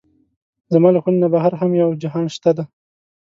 زما له خونې نه بهر هم یو جهان شته دی.